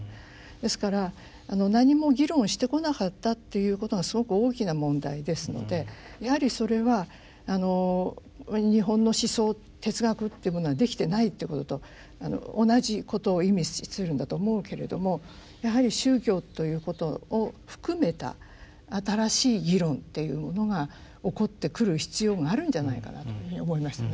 ですから何も議論してこなかったっていうことがすごく大きな問題ですのでやはりそれは日本の思想哲学っていうものはできてないっていうことと同じことを意味するんだと思うけれどもやはり宗教ということを含めた新しい議論っていうのが起こってくる必要があるんじゃないかなというふうに思いましたね。